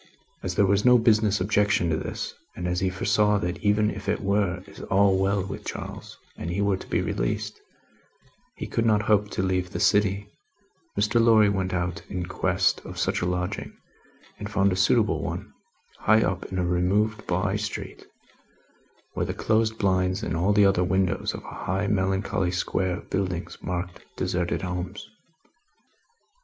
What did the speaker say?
As there was no business objection to this, and as he foresaw that even if it were all well with Charles, and he were to be released, he could not hope to leave the city, Mr. Lorry went out in quest of such a lodging, and found a suitable one, high up in a removed by street where the closed blinds in all the other windows of a high melancholy square of buildings marked deserted homes.